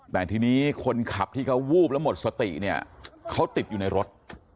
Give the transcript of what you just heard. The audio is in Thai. แต่ทีนี้คนขับที่เขาวูบแล้วหมดสติเนี่ยเขาติดอยู่ในรถ